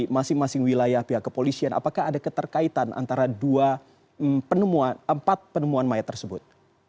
masing masing wilayah pihak kepolisian apakah ada keterkaitan antara dua penemuan empat penemuan mayat tersebut